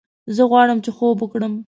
زه غواړم چې خوب وکړم